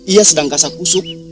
ia sedang kasah kusuk